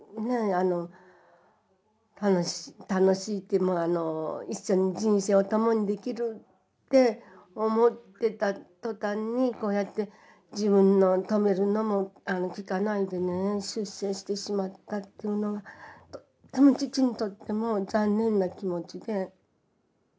あの楽しい一緒に人生を共にできるって思ってた途端にこうやって自分の止めるのも聞かないでね出征してしまったっていうのがとっても父にとっても残念な気持ちで。